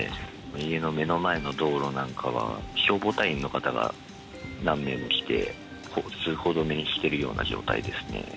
家の目の前の道路なんかは、消防隊員の方が何名も来て、通行止めにしてるような状態ですね。